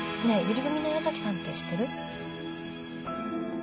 ゆり組の矢崎さんって知ってる？